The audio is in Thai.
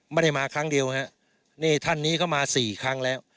ไม่ได้มาครั้งเดียวฮะนี่ท่านนี้เข้ามาสี่ครั้งแล้ว